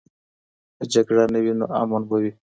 که جګړه نه وي، نو امن به وي.